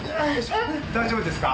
大丈夫ですか？